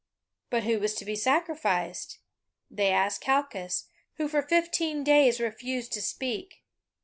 "But who was to be sacrificed? They asked Calchas, who for fifteen days refused to speak.